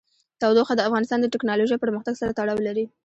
تودوخه د افغانستان د تکنالوژۍ پرمختګ سره تړاو لري.